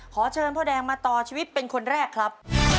ขอเชิญพ่อแดงมาต่อชีวิตเป็นคนแรกครับ